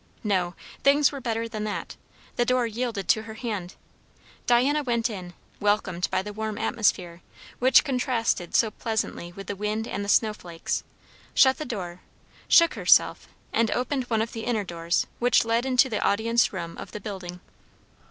No; things were better than that; the door yielded to her hand. Diana went in, welcomed by the warm atmosphere, which contrasted so pleasantly with the wind and the snow flakes, shut the door, shook herself, and opened one of the inner doors which led into the audience room of the building.